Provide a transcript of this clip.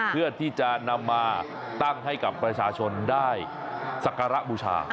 เพื่อที่จะนำมาตั้งให้กับประชาชนได้สักการะบูชา